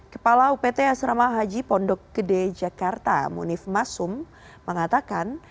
kepala upt asrama haji pondok gede jakarta munif masum mengatakan